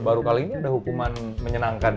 baru kali ini ada hukuman menyenangkan